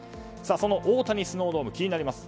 その大谷スノードーム気になります。